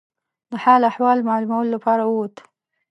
د حال احوال معلومولو لپاره ووت.